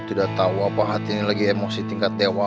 tidak tahu apa hati ini lagi emosi tingkat dewa